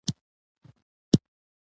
د سولې مرکز علمي بهیر دې همداسې روان وي.